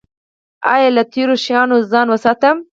ایا له تیرو شیانو ځان وساتم؟